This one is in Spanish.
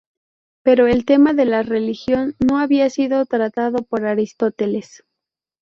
Pero el tema de la religión no había sido tratado por Aristóteles.